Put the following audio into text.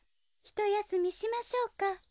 ・ひとやすみしましょうか。